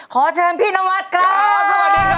ขอเชิ่มพี่น้องอาจกล่าง